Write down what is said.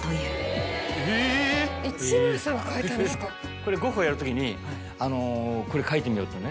これゴッホやるときにこれ描いてみようとね。